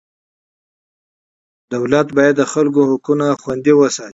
دولت باید د خلکو حقونه خوندي وساتي.